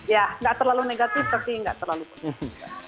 ya nggak terlalu negatif tapi nggak terlalu positif